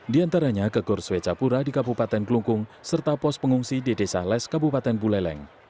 di antaranya ke gor swecapura di kabupaten kelungkung serta pos pengungsi di desa les kabupaten buleleng